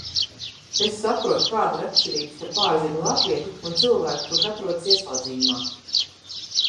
Es saprotu, kāda ir atšķirība starp ārzemju latvieti un cilvēku, kurš atrodas ieslodzījumā.